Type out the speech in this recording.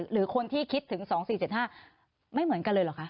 หรือคนที่คิดถึง๒๔๗๕ไม่เหมือนกันเลยเหรอคะ